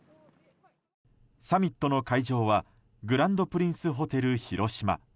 サミットの会場はグランドプリンスホテル広島。